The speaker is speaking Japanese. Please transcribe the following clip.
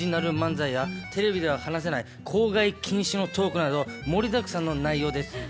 草薙さんとのオリジナル漫才やテレビでは話せない、口外禁止のトークなど、盛りだくさんの内容です。